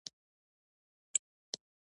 ما بيا ورته پيسې مخې ته کښېښووې.